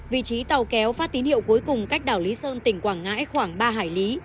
vị trí tàu kéo phát tín hiệu cuối cùng cách đảo lý sơn tỉnh quảng ngãi khoảng ba hải lý